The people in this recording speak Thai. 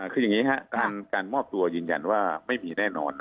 การมอบตัวยืนยันว่าไม่มีแน่นอน